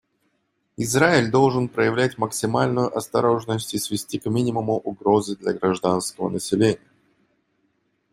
Израиль должен проявлять максимальную осторожность и свести к минимуму угрозы для гражданского населения.